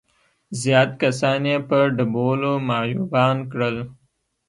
زيات کسان يې په ډبولو معيوبان کړل.